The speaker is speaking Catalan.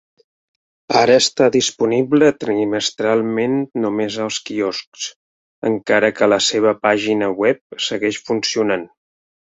Ara està disponible trimestralment només als quioscs, encara que la seva pàgina web segueix funcionant.